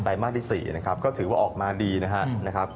ไตรมาสที่๔ก็ถือว่าออกมาดีนะครับ